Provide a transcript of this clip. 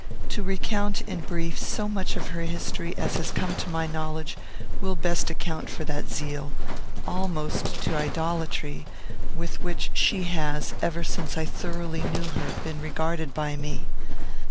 To recount, in brief, so much of her history as has come to my knowledge will best account for that zeal, almost to idolatry, with which she has, ever since I thoroughly knew her, been regarded by me.